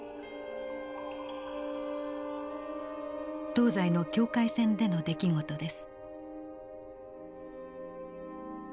東西の境界線での出来事です。